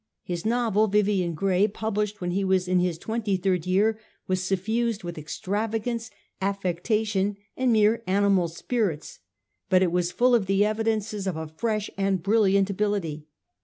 His novel, ' Vivian Grey,' published when he was in his twenty third year, was suffused with extravagance, affectation, and mere animal spirits ; but it was full of the evidences of a fresh and brilliant ability.